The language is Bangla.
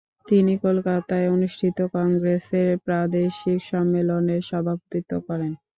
তিনি কলকাতায় অনুষ্ঠিত কংগ্রেসের প্রাদেশিক সম্মেলনের সভাপতিত্ব করেন।